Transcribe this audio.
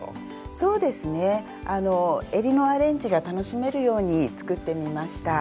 そうですねえりのアレンジが楽しめるように作ってみました。